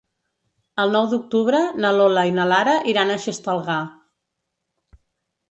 El nou d'octubre na Lola i na Lara iran a Xestalgar.